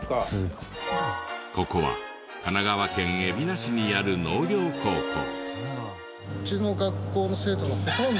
ここは神奈川県海老名市にある農業高校。